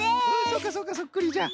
そうかそうかそっくりじゃ。